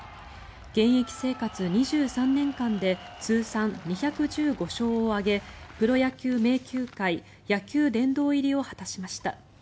現役生活２３年間で通算２１５勝を挙げプロ野球名球会野球殿堂入りを果たしました。